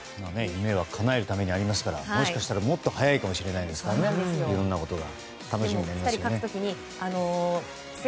夢は叶えるためにありますからもしかしたら、もっと早いかもしれないですからねいろいろなことが。